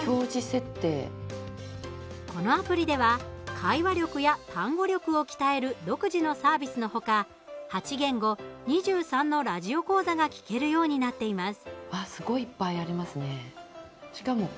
このアプリでは会話力や単語力を鍛える独自のサービスの他８言語、２３のラジオ講座が聞けるようになっています。